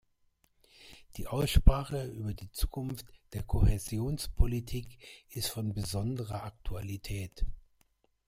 Die Aussprache über die Zukunft der Kohäsionspolitik ist von besonderer Aktualität.